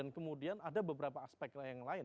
kemudian ada beberapa aspek yang lain